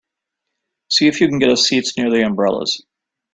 See if you can get us seats near the umbrellas.